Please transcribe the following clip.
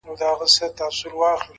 د پریان لوري’ د هرات او ګندارا لوري’